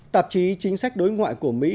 tạp chí chính sách đối ngoại của mỹ